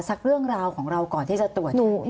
สักเรื่องราวของเราก่อนที่จะตรวจดู